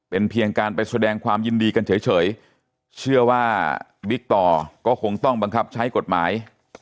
เป็นเพียงการไปแสดงความยินดีกันเฉยเชื่อว่าบิ๊กต่อก็คงต้องบังคับใช้กฎหมาย